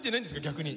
逆に。